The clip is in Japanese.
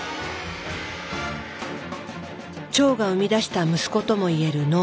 腸が生み出した息子ともいえる脳。